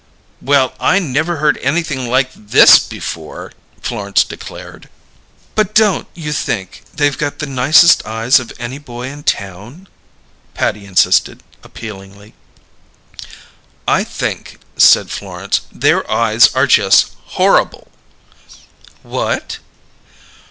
"Well, I never heard anything like this before!" Florence declared. "But don't you think they've got the nicest eyes of any boy in town?" Patty insisted, appealingly. "I think," said Florence, "their eyes are just horrable!" "What?"